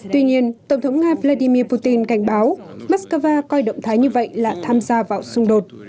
tuy nhiên tổng thống nga vladimir putin cảnh báo moscow coi động thái như vậy là tham gia vào xung đột